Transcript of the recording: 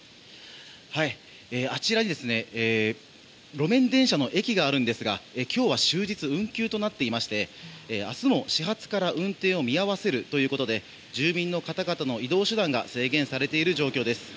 あちらに路面電車の駅があるんですが今日は終日運休となっていまして明日も始発から運転を見合わせるということで住民の方々の移動手段が制限されている状況です。